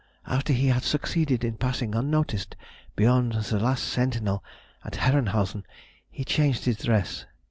After he had succeeded in passing unnoticed beyond the last sentinel at Herrenhausen he changed his dress....